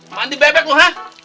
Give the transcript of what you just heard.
mandi bebek lu ha